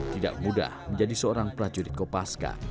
tidak mudah menjadi seorang prajurit kopaska